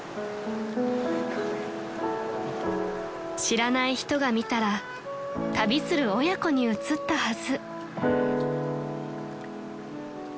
［知らない人が見たら旅する親子に映ったはず］